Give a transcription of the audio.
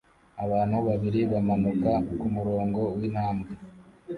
Abantu babiri bamanuka kumurongo wintambwe